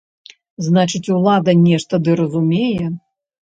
Значыць, улада нешта ды разумее.